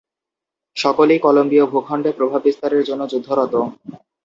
সকলেই কলম্বীয় ভূখন্ডে প্রভাব বিস্তারের জন্য যুদ্ধরত।